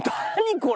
これ！